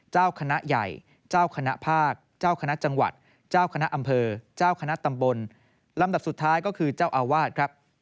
เจ้าคณะใหญ่เจ้าคณะภาคเจ้าคณะจังหวัดเจ้าคณะอำเภอเจ้าคณะตำบลลำดับสุดท้ายก็คือเจ้าอาวาสครับ